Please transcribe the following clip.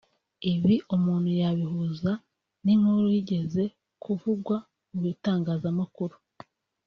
Ibi umuntu yabihuza n’inkuru yigeze kuvugwa mu bitangazamakuru